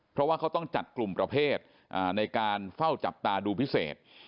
เพราะว่าเขาต้องจัดกลุ่มประเภทในการเฝ้าจับตาดูพิเศษ